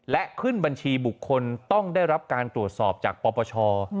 และขึ้นบัญชีบุคคลต้องได้รับการตรวจสอบจากปปช